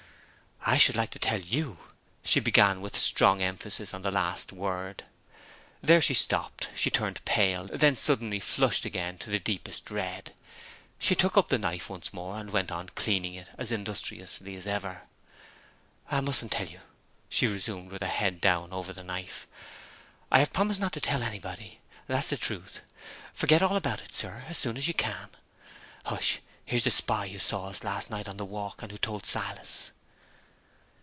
"I should like to tell you," she began, with a strong emphasis on the last word. There she stopped. She turned pale; then suddenly flushed again to the deepest red. She took up the knife once more, and went on cleaning it as industriously as ever. "I mustn't tell you," she resumed, with her head down over the knife. "I have promised not to tell anybody. That's the truth. Forget all about it, sir, as soon as you can. Hush! here's the spy who saw us last night on the walk and who told Silas!"